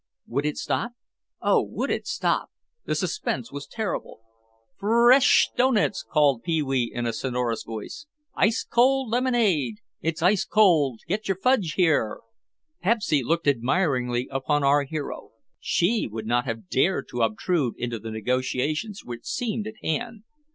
Would it stop? Oh, would it stop? The suspense was terrible. "F r resh doughnuts!" called Pee wee in a sonorous voice. "Ice cold lemonade! It's ice cold! Get your fudge here!" Pepsy looked admiringly upon her hero. She would not have dared to obtrude into the negotiations which seemed at hand.